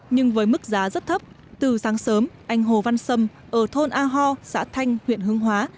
nhưng với mức giá rất thấp từ sáng sớm anh hồ văn sâm ở thôn a ho xã thanh huyện hương hóa